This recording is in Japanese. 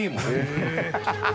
ハハハ